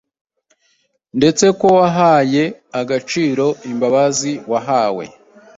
ndetse ko wahaye agaciro imbabazi wahawe.